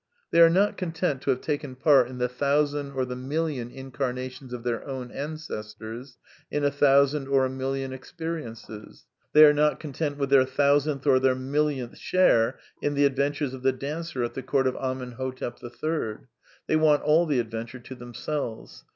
They are not content to have taken part in the thousand or the million incarnations of their own ancestors, in a thousand or a million experiences; they are not content with their thousandth or their millionth share in the ad ventures of the dancer at the court of Amen Hotep III. ; they want all the adventure to themselves.